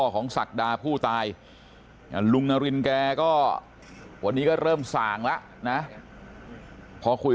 ศักดาผู้ตายลุงนารินแกก็วันนี้ก็เริ่มส่างแล้วนะพอคุย